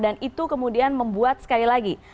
dan itu kemudian membuat sekali lagi